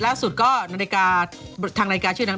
ล่าสุดก็นาฬิกาทางรายการชื่อดัง